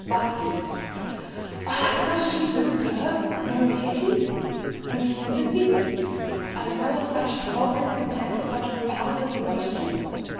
But—ah! does she deserve no pity—no sympathy, as well as such sovereign contempt—such boundless aversion?